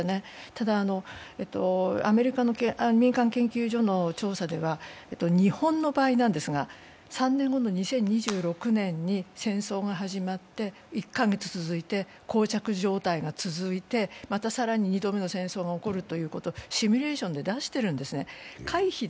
ただ、アメリカの民間研究所の調査では日本の場合ですが、３年後の２０２６年に戦争が始まって１か月続いてこう着状態が続いて、また更に２度目の戦争が起こるということをシミュレーションで出してるんですね。